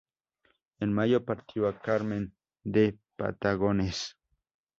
En mayo partió a Carmen de Patagones.